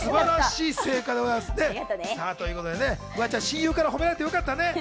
フワちゃん、親友から褒められてよかったね。